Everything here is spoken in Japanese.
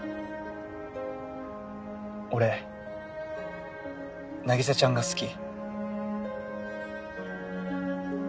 俺凪沙ちゃんが好き。